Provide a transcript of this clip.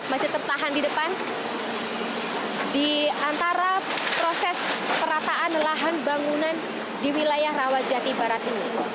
masih tertahan di depan di antara proses perataan lahan bangunan di wilayah rawajati barat ini